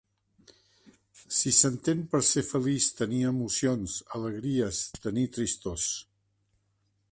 Si s'entén per ser feliç tenir emocions, alegries, tenir tristors